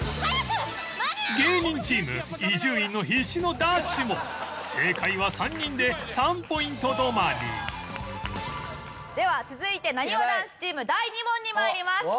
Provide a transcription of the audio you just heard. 芸人チーム伊集院の必死のダッシュも正解は３人で３ポイント止まりでは続いてなにわ男子チーム第２問に参ります。